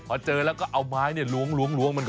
พอเจอแล้วก็เอาไม้ล้วงมัน